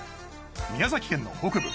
宮崎県の北部